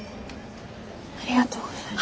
ありがとうございます。